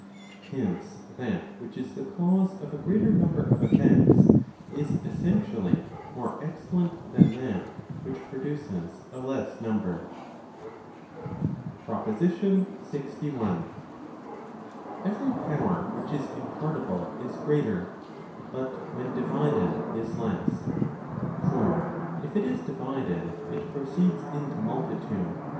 Hence, that which is the cause of a greater number of effects, is essentially more excellent than that which produces a less number. PROPOSITION LXI. Every power which is impartible is greater, but when divided is less. For if it is divided it proceeds into multitude.